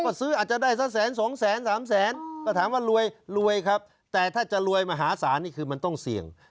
ก็ซื้ออาจจะได้สักแสนสองแสนสามแสนก็ถามว่ารวยรวยครับแต่ถ้าจะรวยมหาศาลนี่คือมันต้องเสี่ยง